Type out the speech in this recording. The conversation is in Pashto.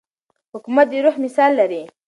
حکومت د روح مثال لري.